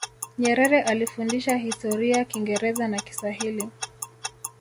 nyerere alifundisha historia kingereza na kiswahili